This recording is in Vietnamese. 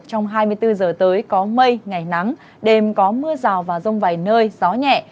trong hai mươi bốn giờ tới có mây ngày nắng đêm có mưa rào và rông vài nơi gió nhẹ